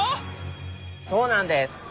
そうなんです。